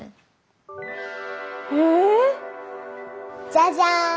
じゃじゃん！